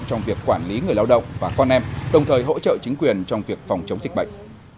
trong việc quản lý người lao động và con em đồng thời hỗ trợ chính quyền trong việc phòng chống dịch bệnh